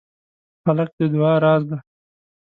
هلک د دعا راز دی.